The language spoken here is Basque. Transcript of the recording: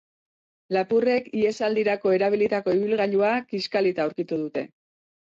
Lapurrek ihesaldirako erabilitako ibilgailua kiskalita aurkitu dute.